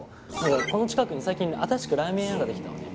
この近くに最近新しくラーメン屋が出来たのね。